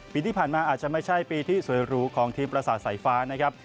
ปีที่ผ่านมาอาจจะไม่ใช่ปีที่สวยหรูของทีมประสาทสายฟ้านะครับ